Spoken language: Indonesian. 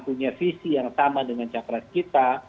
punya visi yang sama dengan capres kita